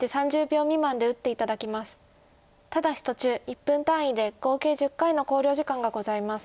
ただし途中１分単位で合計１０回の考慮時間がございます。